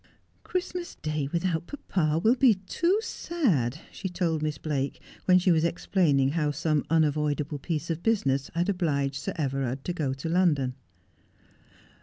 ' Christmas Day without papa will be too sad,' she told Miss Blake, when she was explaining how some unavoidable piece of business had obliged Sir Everard to go to London.